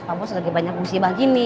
pak bos lagi banyak usia begini